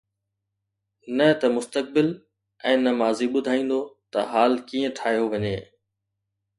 نه ته مستقبل ۽ نه ماضي ٻڌائيندو ته حال ڪيئن ٺاهيو وڃي.